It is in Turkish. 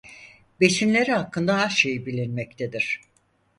Besinleri hakkında az şey bilinmektedir.